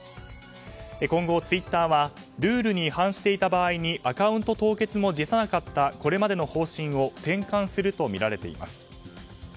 今後、ツイッターはルールに違反していた場合にアカウント凍結も辞さなかったこれまでの方針を転換するとみられています。